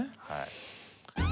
はい。